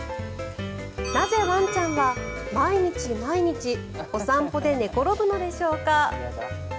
なぜ、ワンちゃんは毎日毎日お散歩で寝転ぶのでしょうか。